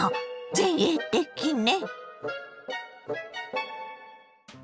前衛的ね。